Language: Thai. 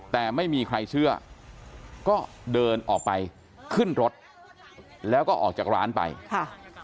แต่ไม่มีใครเชื่อก็เดินออกไปขึ้นรถแล้วก็ออกจากร้านไปค่ะ